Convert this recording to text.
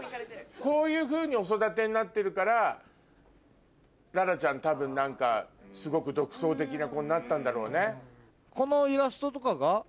こういうふうにお育てになってるからＬａｒａちゃん多分何かすごく独創的な子になったんだろうね。